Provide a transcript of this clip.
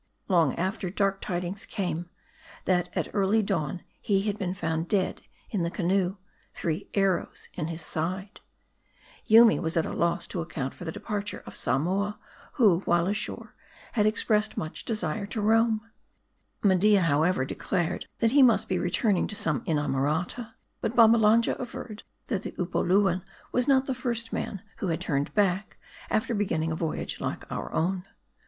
Long after, dark tidings came, that at early dawn he had been found dead in the canoe : three arrows in his side. MARDI. 357 Yoomy was at a loss to account for the departure of Samoa ; who, while ashore, had expressed much desire to roam. Media, however, declared that he must be returning to some inamorata. But Babbalanja averred, that the Upoluan was not the first man, who had turned back, after beginning a voyage like our own.